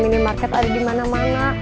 minimarket ada dimana mana